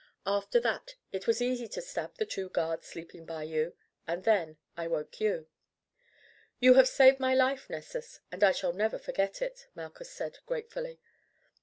After that it was easy to stab the two guards sleeping by you, and then I woke you." "You have saved my life, Nessus, and I shall never forget it," Malchus said gratefully.